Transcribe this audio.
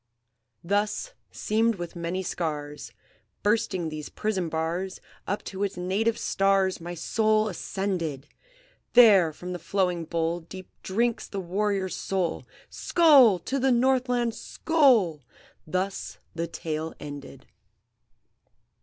"Thus, seamed with many scars, Bursting these prison bars, Up to its native stars My soul ascended! There from the flowing bowl Deep drinks the warrior's soul, Skoal! to the Northland! skoal!" Thus the tale ended.